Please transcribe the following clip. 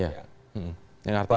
ya yang artinya apa